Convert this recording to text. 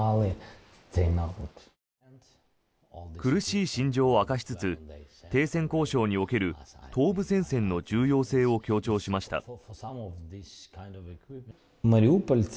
苦しい心情を明かしつつ停戦交渉における東部戦線の重要性を強調しました。